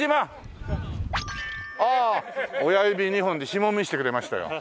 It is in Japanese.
ああ親指２本で指紋見せてくれましたよ。